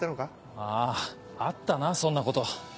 あぁあったなそんなこと。